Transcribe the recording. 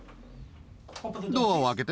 ドアを開けて。